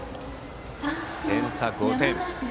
点差は５点。